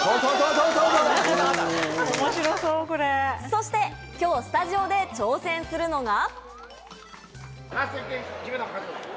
そして今日、スタジオで挑戦するのが。